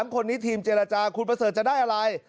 ๓คนนี้ทีมเจรจาคุณประเสริฐจะได้อะไร